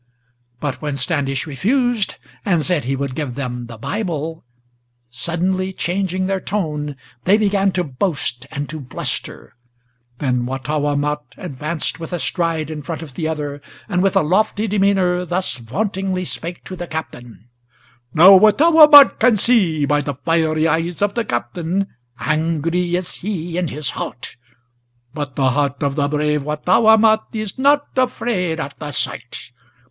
But when Standish refused, and said he would give them the Bible, Suddenly changing their tone, they began to boast and to bluster. Then Wattawamat advanced with a stride in front of the other, And, with a lofty demeanor, thus vauntingly spake to the Captain: "Now Wattawamat can see, by the fiery eyes of the Captain, Angry is he in his heart; but the heart of the brave Wattawamat Is not afraid at the sight.